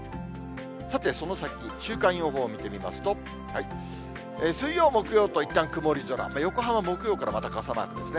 さて、その先、週間予報を見てみますと、水曜、木曜といったん曇り空、横浜、木曜からまた傘マークですね。